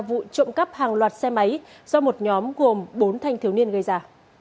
vụ trộm cắp hàng loạt xe máy do một nhóm gồm bốn thanh thiếu niên gây ra